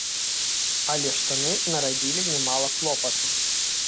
Але штаны нарабілі нямала клопату.